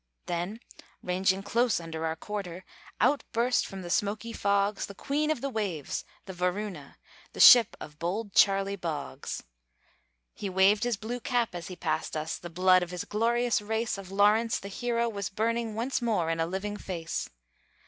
Then ranging close under our quarter, Out burst from the smoky fogs The queen of the waves, the Varuna, The ship of bold Charley Boggs. He waved his blue cap as he passed us; The blood of his glorious race, Of Lawrence, the hero, was burning Once more in a living face.